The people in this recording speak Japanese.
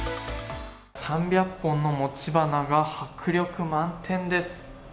３００本の餅花が迫力満点です。